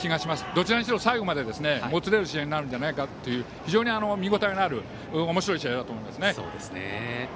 どちらにしても最後までもつれる試合になるんじゃないかという非常に見応えのあるおもしろい試合ですね。